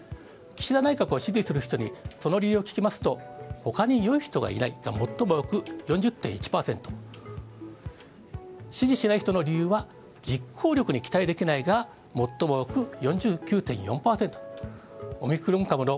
岸田内閣を支持する人にその理由を聞きますと、ほかによい人がいないが最も多く４０．１％、支持しない人の理由は、実行力に期待できないが最も多く４９．４